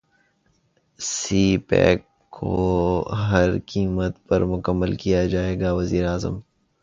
سی pack کو ہر قیمت پر مکمل کیا جائے گا وزیراعظم